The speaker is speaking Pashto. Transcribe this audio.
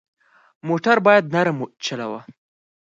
موټر باید نرم چلوه.